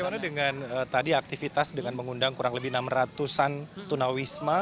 bagaimana dengan tadi aktivitas dengan mengundang kurang lebih enam ratusan tunawisma